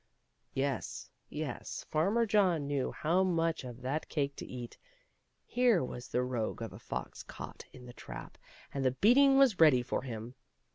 '* Yes, yes. Farmer John knew how much of that cake to eat ; here was the rogue of a fox caught in the trap, and the beating was ready for him.